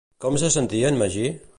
Com se sentia en Magí?